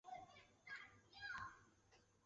沙孟海塘溪镇沙村人。